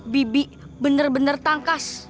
bibi bener bener tangkas